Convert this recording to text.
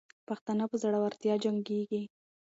پښتانه په زړورتیا جنګېږي.